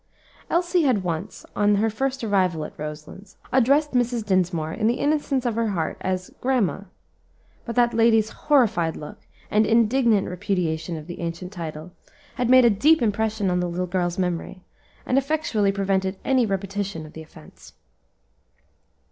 Elsie had once, on her first arrival at Roselands, addressed Mrs. Dinsmore, in the innocence of her heart, as "grandma," but that lady's horrified look, and indignant repudiation of the ancient title, had made a deep impression on the little girl's memory, and effectually prevented any repetition of the offence.